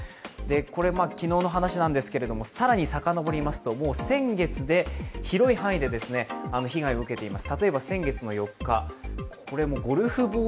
これは昨日の話なんですが、更にさかのぼりますと先月で広い範囲で被害を受けています。